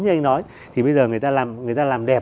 như anh nói thì bây giờ người ta làm đẹp